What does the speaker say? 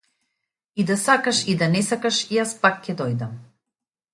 И да сакаш и да не сакаш јас пак ќе дојдам.